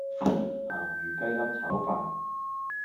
咸魚雞粒炒飯